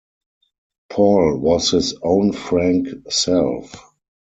Paul was his own frank self.